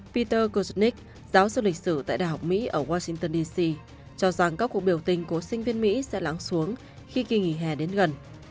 peter cosnic giáo sư lịch sử tại đại học mỹ ở washington d c cho rằng các cuộc biểu tình của sinh viên mỹ sẽ lắng xuống khi kỳ nghỉ hè đến gần